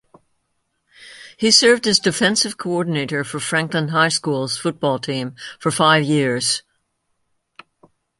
He served as defensive coordinator for Franklin High School's football team for five years.